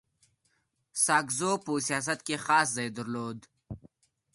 ساکزو په سیاست کي خاص ځای درلود.